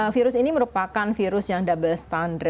virus ini merupakan virus yang double strand envelope dna virus